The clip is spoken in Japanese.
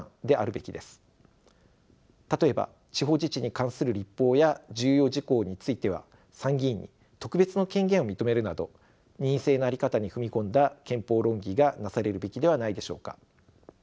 例えば地方自治に関する立法や重要事項については参議院に特別の権限を認めるなど二院制の在り方に踏み込んだ憲法論議がなされるべきではないでしょうか。